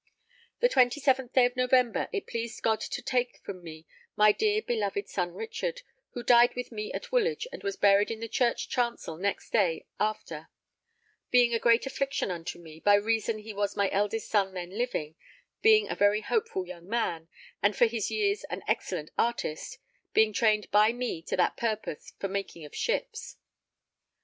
The 27th day of November, it pleased God to take from me my dear beloved son Richard, who died with me at Woolwich and was buried in the church chancel next day after; being a great affliction unto me, by reason he was my eldest son then living, being a very hopeful young man, and for his years an excellent artist, being trained by me to that purpose for making of ships.